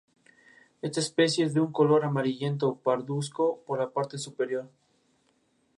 Esta especie es de un color amarillento parduzco por la parte superior.